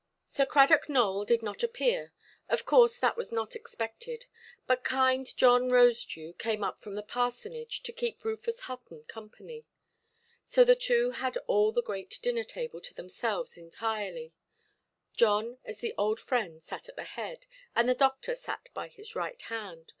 Sir Cradock Nowell did not appear. Of course that was not expected; but kind John Rosedew came up from the parsonage to keep Rufus Hutton company. So the two had all the great dinner–table to themselves entirely; John, as the old friend, sat at the head, and the doctor sat by his right hand.